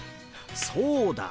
そうだ！